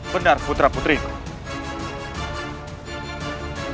benar putra putrimu